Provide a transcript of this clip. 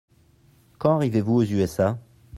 Quand arrivez-vous aux USA ?